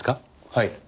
はい。